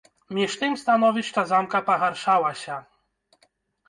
Між тым становішча замка пагаршалася.